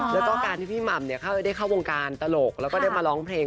แล้วก็การที่พี่หม่ำได้เข้าวงการตลกแล้วก็ได้มาร้องเพลง